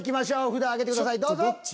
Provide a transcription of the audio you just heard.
札上げてくださいどうぞ！